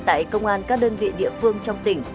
tại công an các đơn vị địa phương